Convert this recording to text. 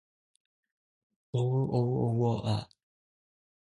It blew bleak as winter — all round was solitary.